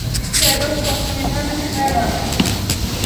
თედო სოფლიდან ქრება.